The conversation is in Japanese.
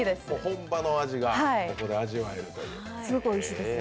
本場の味がここで味わえるという、おいしそう。